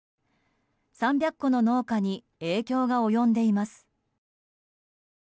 ３００戸の農家に影響が及んでいます。